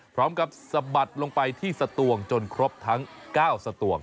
พร้อมกับสะบัดลงไปที่สะตวงจนครบทั้ง๙สะตวง